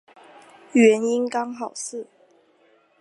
原因刚好是